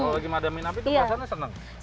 kalau lagi memadamkan api alasannya seneng